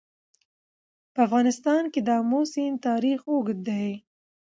په افغانستان کې د آمو سیند تاریخ اوږد دی.